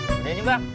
udah ini mbak